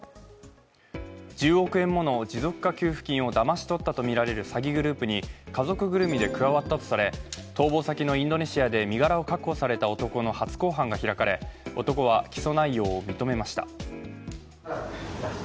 １０億円もの持続化給付金をだまし取ったとみられる詐欺グループに家族ぐるみで加わったとされ逃亡先のインドネシアで身柄を確保された男の初公判が開かれ男は起訴内容を認めました。